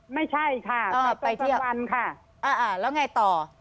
ไม่ใช่ค่ะอ่าไปเที่ยวไปต้นวันค่ะอ่าอ่าแล้วไงต่อ